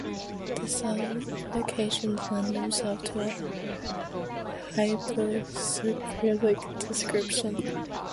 The cell locations lend themselves to a hyperspherical description.